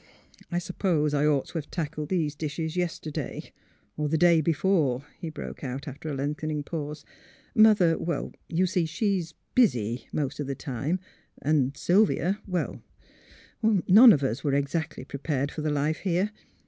" I suppose I ought to have tackled these dishes yesterday, or the day before," he broke out, after a lengthening pause. " Mother — er — you see she's — busy, most of the time, and Sylvia — well; none of us were exactly prepared for the life here.